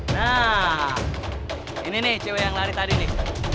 nah ini nih cewek yang lari tadi nih